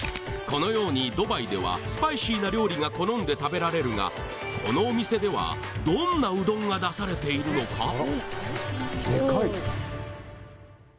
このようにドバイではスパイシーな料理が好んで食べられるがこのお店ではどんなうどんが出されているのか？